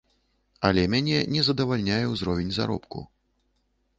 Але мяне не задавальняе ўзровень заробку.